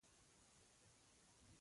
چې یوازې او پلي ګرځې.